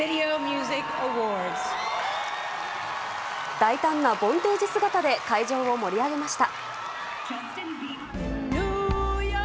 大胆なボンテージ姿で会場を盛り上げました。